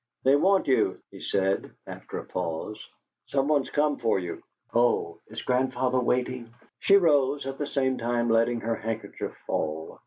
"They want you," he said, after a pause. "Some one's come for you." "Oh, is grandfather waiting?" She rose, at the same time letting her handkerchief fall.